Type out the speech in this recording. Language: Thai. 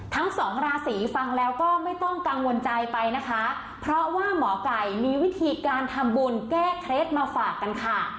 ทั้งสองราศีฟังแล้วก็ไม่ต้องกังวลใจไปนะคะเพราะว่าหมอไก่มีวิธีการทำบุญแก้เคล็ดมาฝากกันค่ะ